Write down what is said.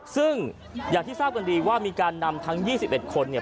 ซึ่งอย่างที่ทราบกันดีว่ามีการนำทั้ง๒๑คนเนี่ย